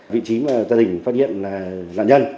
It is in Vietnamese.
vị trí mà gia đình phát hiện là nạn nhân